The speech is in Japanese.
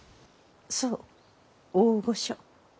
そう大御所。